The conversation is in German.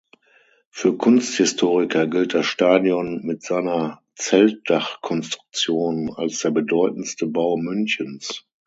Für Kunsthistoriker gilt das Stadion mit seiner Zeltdachkonstruktion als der bedeutendste Bau Münchens.